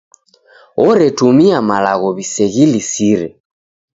Oretumia malagho w'iseghilisire.